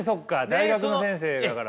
大学の先生だから。